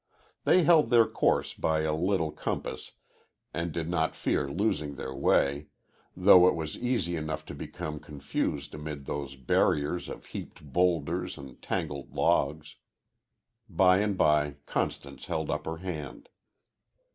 They held their course by a little compass, and did not fear losing their way, though it was easy enough to become confused amid those barriers of heaped bowlders and tangled logs. By and by Constance held up her hand.